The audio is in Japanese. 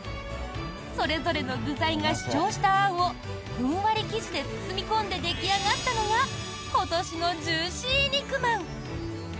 それぞれの具材が主張したあんをふんわり生地で包み込んで出来上がったのが今年のジューシー肉まん。